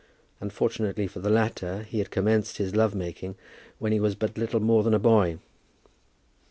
Unfortunately for the latter, he had commenced his love making when he was but little more than a boy.